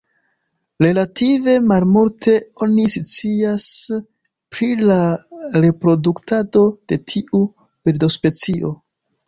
Relative malmulte oni scias pri la reproduktado de tiu birdospecio.